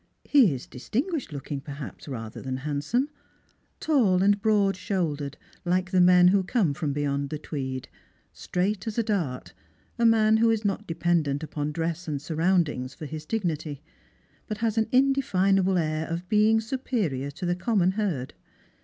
He is distinguished looking, perhaps, rather than handsome; tall and broad shouldered, like the men who come from beyond the Tweed; straight as a dart; a man who is not dependent upon dress and surroundings for his dignity, but has an indefinable air of being superior to the common herd.